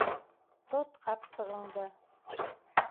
Тот ҡапсығыңды!